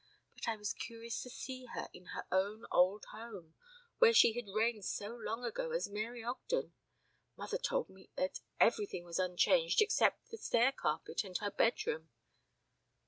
But I was curious to see her in her own old home, where she had reigned so long ago as Mary Ogden. Mother told me that everything was unchanged except the stair carpet and her bedroom."